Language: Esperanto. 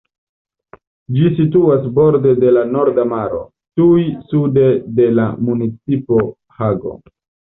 Ĝi situas borde de la Norda Maro, tuj sude de la municipo Hago.